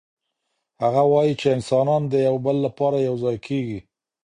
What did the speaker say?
هغه وايي چي انسانان د يو بل لپاره يو ځای کيږي.